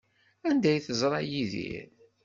Anda ay teẓra Yidir?